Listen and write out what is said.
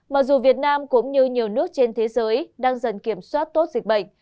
mặc dù việt nam cũng như nhiều nước trên thế giới đang dần kiểm soát tốt dịch bệnh